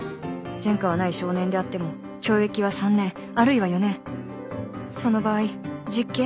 前科はない少年であっても懲役は３年あるいは４年その場合実刑？